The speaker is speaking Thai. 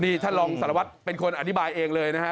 นี่ท่านรองสารวัตรเป็นคนอธิบายเองเลยนะฮะ